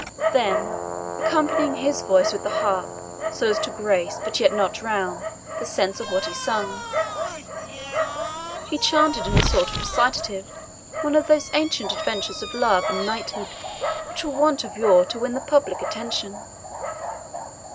Then, accompanying his voice with the harp, so as to grace, but yet not drown, the sense of what he sung, he chanted in a sort of recitative one of those ancient adventures of love and knighthood which were wont of yore to win the public attention.